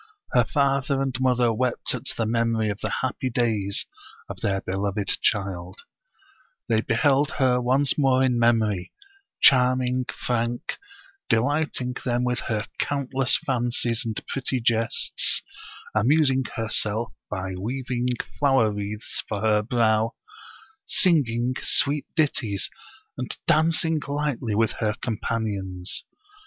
Her father and mother wept at the memory of the happy days of their beloved child; they beheld her once more in memory; charming, frank, delighting them with her countless fancies and pretty jests, amusing herself by weaving flower wreaths for her brow, singing sweet ditties, and dancing lightly with her companions.